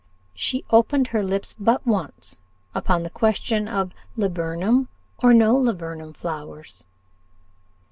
She opened her lips but once upon the question of laburnum or no laburnum flowers.